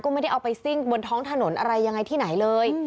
ไม่ได้เอาไปซิ่งบนท้องถนนอะไรยังไงที่ไหนเลย